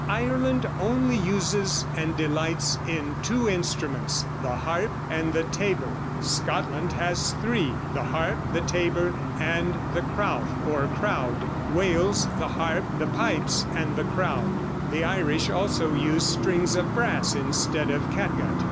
Ireland only uses and delights in two instruments the harp and tabor. Scotland has three the harp, the tabor and the crowth or crowd. Wales, the harp, the pipes and the crowd. The Irish also used strings of brass instead of catgut."